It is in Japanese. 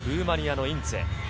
ルーマニアのインツェ。